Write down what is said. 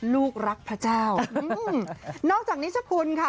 ลูกรักพระเจ้านอกจากนิชคุณค่ะ